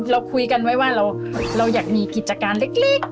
เราคุยกันไว้ว่าเราอยากมีกิจการเล็ก